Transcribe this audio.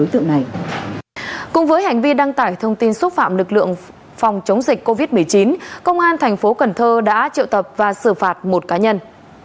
trước khi hành vi đăng tải thông tin xúc phạm lực lượng phòng chống dịch covid một mươi chín công an tp cần thơ đã triệu tập và xử phạt một cá nhân